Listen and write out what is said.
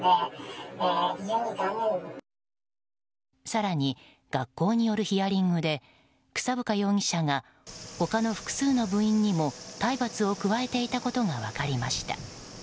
更に、学校によるヒアリングで草深容疑者が他の複数の部員にも体罰を加えていたことが分かりました。